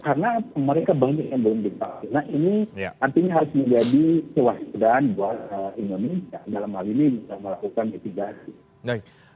kita melakukan mitigasi